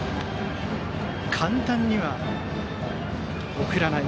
簡単には送らない。